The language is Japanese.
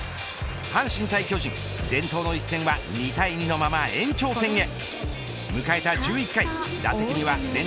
阪神対巨人、伝統の一戦は２対２のまま延長戦へ。